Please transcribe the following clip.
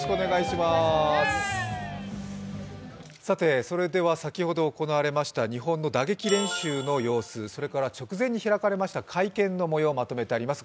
さて、先ほど行われました日本の打撃練習の様子それから直前に開かれました会見の様子をまとめました。